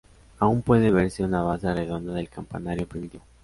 Aún puede verse una base redonda del campanario primitivo.